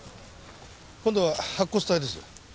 今度は白骨体です。